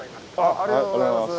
ありがとうございます。